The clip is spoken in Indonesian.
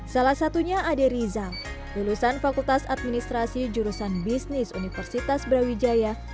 salah satunya ade rizal lulusan fakultas administrasi jurusan bisnis universitas brawijaya